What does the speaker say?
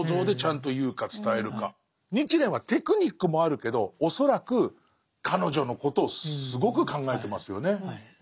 日蓮はテクニックもあるけど恐らく彼女のことをすごく考えてますよね。